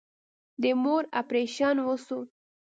د مور اپريشن وسو.